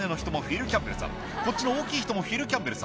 こっちの大きい人もフィル・キャンベルさん。